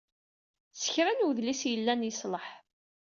S kra n udlis yellan, yeṣleḥ.